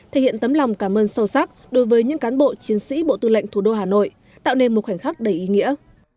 thể hiện tấm lòng cảm ơn sâu sắc đối với những cán bộ chiến sĩ bộ tư lệnh thủ đô hà nội tạo nên một khoảnh khắc đầy ý nghĩa